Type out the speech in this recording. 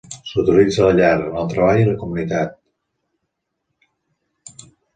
S'utilitza a la llar, en el treball i a la comunitat.